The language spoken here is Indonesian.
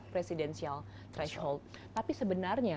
kekurangan finansial tapi sebenarnya